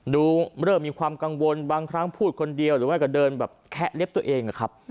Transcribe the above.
เริ่มมีความกังวลบางครั้งพูดคนเดียวหรือว่าก็เดินแบบแคะเล็บตัวเองอะครับ